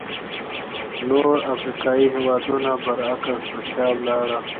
نور افریقایي هېوادونه برعکس پر شا لاړل.